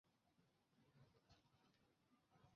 玛姬是一个十几岁的不良少女。